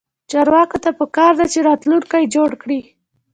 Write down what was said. چارواکو ته پکار ده چې، راتلونکی جوړ کړي